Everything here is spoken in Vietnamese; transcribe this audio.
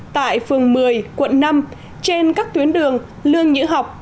tại phường một mươi quận năm trên các tuyến đường lương nhữ học